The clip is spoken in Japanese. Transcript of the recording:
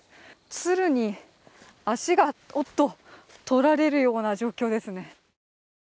つるに足がとられるような状況ですね。